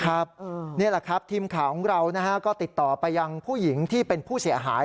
ครับเนี่ยล่ะครับทีมขาของเรานะฮะก็ติดต่อไปยังผู้หญิงที่เป็นผู้เสียหาย